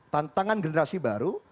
tantangan generasi baru